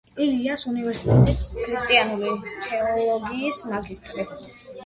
ილიას უნივერსიტეტის ქრისტიანული თეოლოგიის მაგისტრი.